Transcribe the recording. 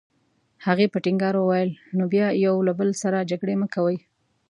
هغې په ټینګار وویل: نو بیا یو له بل سره جګړې مه کوئ.